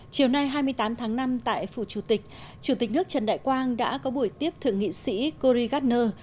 chiều nay hai mươi tám tháng năm tại phủ chủ tịch chủ tịch nước trần đại quang đã có buổi tiếp thượng nghị sĩ corey gardner